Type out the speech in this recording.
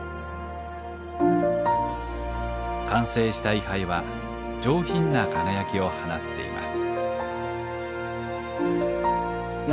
完成した位はいは上品な輝きを放っています。